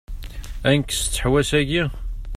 Ad nekkes ṭeḥwa-agi?